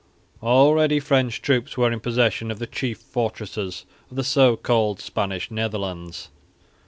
Already French troops were in possession of the chief fortresses of the so called Spanish Netherlands.